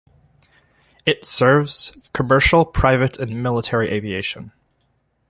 It serves commercial, private, and military aviation.